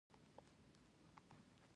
په انساني ټولنه کې د مینې دوستۍ غوښتنه کوي.